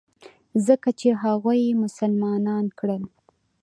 ځکه چې هغوى يې مسلمانان کړل.